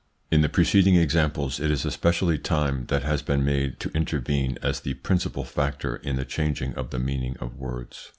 In the preceding examples it is especially time that has been made to intervene as the principal factor in the changing of the meaning of words.